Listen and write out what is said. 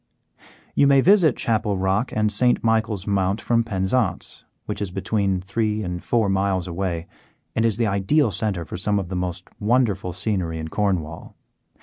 You may visit Chapel Rock and St. Michael's Mount from Penzance, which is between three and four miles away and is the ideal centre for some of the most wonderful scenery in Cornwall.